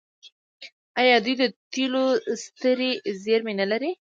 آیا دوی د تیلو سترې زیرمې نلري؟